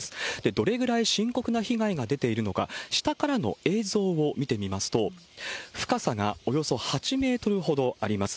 どれぐらい深刻な被害が出ているのか、下からの映像を見てみますと、深さがおよそ８メートルほどあります。